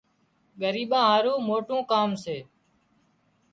ڳريٻان هارو موٽُون ڪام سي